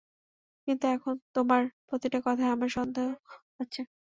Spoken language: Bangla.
কিন্তু এখন তোমার প্রতিটা কথায় আমার সন্দেহ হচ্ছে।